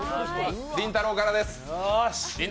りんたろーからです。